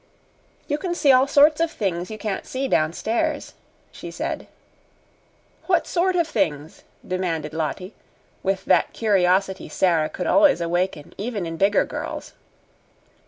"You can see all sorts of things you can't see downstairs," she said. "What sort of things?" demanded Lottie, with that curiosity Sara could always awaken even in bigger girls.